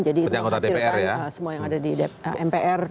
jadi itu menghasilkan semua yang ada di mpr